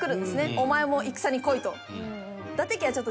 「お前も戦に来い」と。